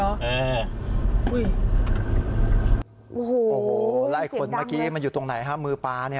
โอ้โหไล่คนเมื่อกี้มันอยู่ตรงไหนฮะมือปลาเนี่ย